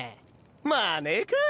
まあねぇか。